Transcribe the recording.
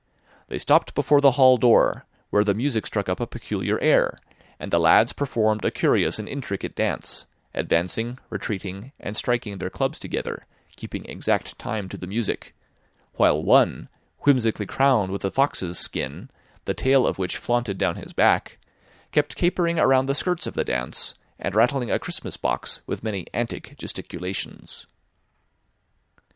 They stopped before the hall door, where the music struck up a peculiar air, and the lads performed a curious and intricate dance, advancing, retreating, and striking their clubs together, keeping exact time to the music; while one, whimsically crowned with a fox's skin, the tail of which flaunted down his back, kept capering around the skirts of the dance, and rattling a Christmas box with many antic gesticulations.